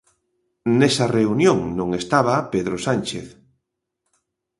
Nesa reunión non estaba Pedro Sánchez.